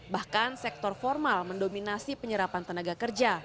bahkan sektor formal mendominasi penyerapan tenaga kerja